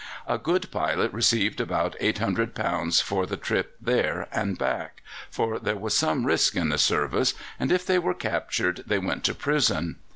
A good pilot received about £800 for the trip there and back, for there was some risk in the service, and if they were captured they went to prison.